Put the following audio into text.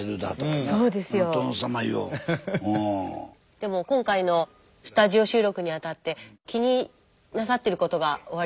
でも今回のスタジオ収録にあたって気になさってることがおありだったと聞いてます。